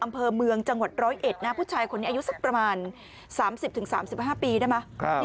อำเภอเมืองจังหวัด๑๐๑นะผู้ชายคนนี้อายุสักประมาณ๓๐๓๕ปีได้ไหม